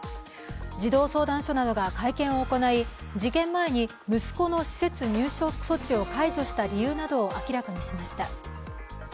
児童相談所などが会見を行い、事件前に息子の施設入所措置を解除した理由などを明らかにしました。